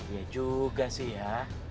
iya juga sih ya